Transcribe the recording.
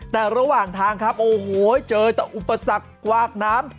แต่ระหว่างทางครับโอ้โหเจอแต่อุปสรรคกวากน้ำ